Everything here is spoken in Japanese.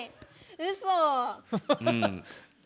うそ。